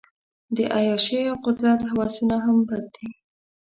د عیاشۍ او قدرت هوسونه هم بد دي.